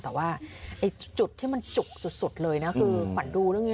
แต่ว่าจุดที่มันจุกสุดเลยนะคือขวัญดูเรื่องนี้